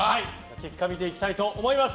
結果を見ていきたいと思います。